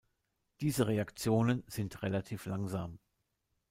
Diese Reaktionen sind relativ langsam.